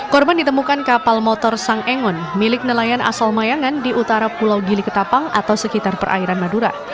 korban ditemukan kapal motor sang engon milik nelayan asal mayangan di utara pulau gili ketapang atau sekitar perairan madura